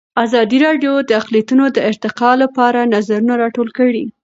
ازادي راډیو د اقلیتونه د ارتقا لپاره نظرونه راټول کړي.